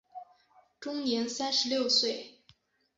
终年三十六岁。